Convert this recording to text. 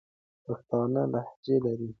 پښتانه لهجه لري.